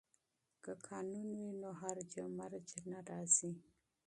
که قانون وي نو هرج و مرج نه راځي.